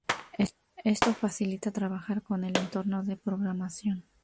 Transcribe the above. Esto facilita trabajar con el entorno de programación.